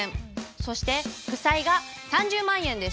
そして負債が３０万円です。